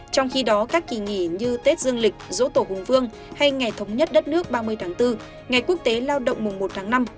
trong khi đó các kỳ nghỉ như tết dương lịch dỗ tổ hùng vương hay ngày thống nhất đất nước ba mươi tháng bốn ngày quốc tế lao động mùng một tháng năm